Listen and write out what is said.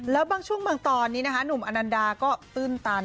แล้วบางช่วงบางตอนนี้นะคะหนุ่มอนันดาก็ตื้นตัน